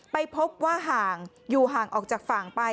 ไปพบว่าห่างอยู่ห่างออกจากฝั่งไป